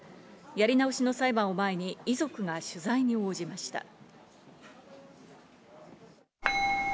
やり直しの裁判を前に遺族が取材に応じました。